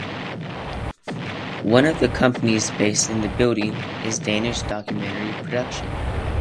One of the companies based in the building is Danish Documentary Production.